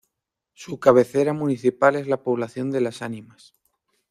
Su cabecera municipal es la población de Las Ánimas.